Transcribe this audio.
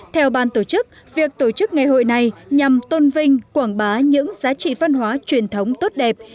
theo ban tổ chức việc tổ chức ngày hội này nhằm tôn vinh quảng bá những giá trị văn hóa truyền thống tốt đẹp